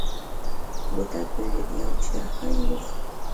موټر په یوه چړهایي وخوت.